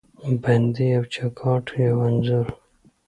بندې یو چوکاټ، یوه انځور